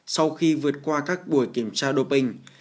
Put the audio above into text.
sau khi vượt qua các buổi kiểm tra đô pinh